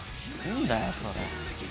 んだよそれ。